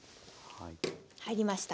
入りました。